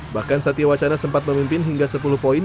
bahkan satya wacana sempat memimpin hingga sepuluh poin